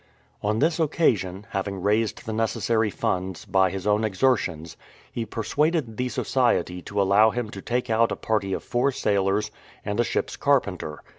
On this occasion, having raised the necessary funds by his own exertions, he persuaded the Society to allow him to take out a party of four sailors and a ship''s carpenter.